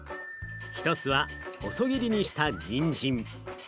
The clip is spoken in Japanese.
１つは細切りにしたにんじん。